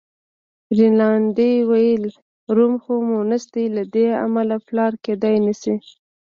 رینالډي وویل: روم خو مونث دی، له دې امله پلار کېدای نه شي.